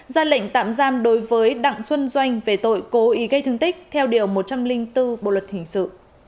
ra lệnh tạm giam đối với đặng xuân doanh về tội cố ý gây thương tích theo điều một trăm linh bốn bộ luật hình sự